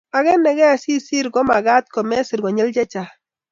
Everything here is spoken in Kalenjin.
agenege si sir ko magat komesir konyil chechang